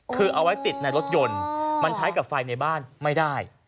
คือเอาไว้ติดในรถยนต์มันใช้กับไฟในบ้านไม่ได้